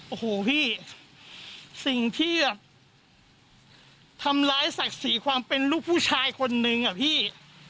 โอ้โหพี่สิ่งที่ทำร้ายศักดิ์ศรีความเป็นลูกผู้ชายคนนึงอะพี่